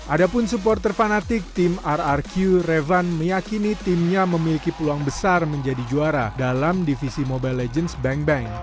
adapun supporter fanatik tim rrq revan meyakini timnya memiliki peluang besar menjadi juara dalam divisi mobile legends bank bank